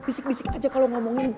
bisik bisik aja kalau ngomongin